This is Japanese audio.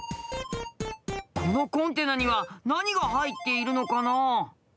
このコンテナには何が入っているのかな？